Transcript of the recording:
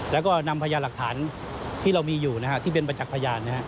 แล้วก็นำพยานหลักฐานที่เรามีอยู่ที่เป็นประจักษ์พยาน